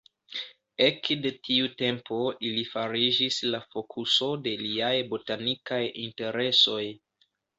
Ekde tiu tempo ili fariĝis la fokuso de liaj botanikaj interesoj.